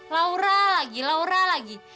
laura lagi laura lagi